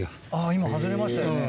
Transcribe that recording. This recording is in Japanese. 今外れましたよね。